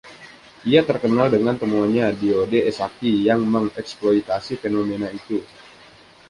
Ia terkenal dengan temuannya, diode Esaki, yang mengeksploitasi fenomena itu.